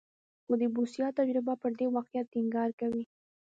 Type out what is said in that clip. خو د بوسیا تجربه پر دې واقعیت ټینګار کوي.